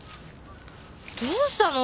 どうしたの？